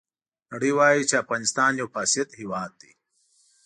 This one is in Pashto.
نړۍ وایي چې افغانستان یو فاسد هېواد دی.